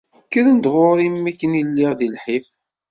Kkren-d ɣur-i mi akken i lliɣ di lḥif.